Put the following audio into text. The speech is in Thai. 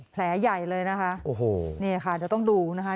แผลใหญ่เลยนะคะโอ้โหนี่ค่ะเดี๋ยวต้องดูนะคะ